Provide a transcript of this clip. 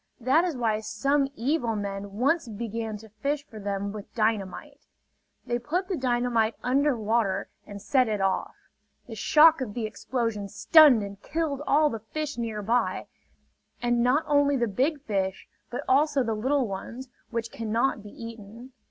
That is why some evil men once began to fish for them with dynamite. They put the dynamite under water and set it off. The shock of the explosion stunned and killed all the fish nearby; and not only the big fish, but also the little ones, which cannot be eaten.